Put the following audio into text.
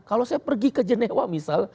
kalau saya pergi ke genewa misal